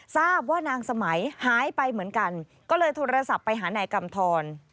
ทราบว่านางสมัยหายไปเหมือนกันก็เลยโทรศัพท์ไปหานายกำทร